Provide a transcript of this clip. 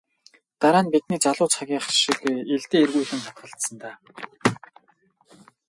Дараа нь бидний залуу цагийнх шиг илдээ эргүүлэн хатгалцсан даа.